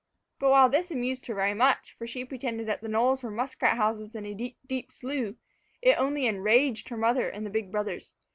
But while this amused her very much, for she pretended that the knolls were muskrat houses in a deep, deep slough, it only enraged her mother and the big brothers.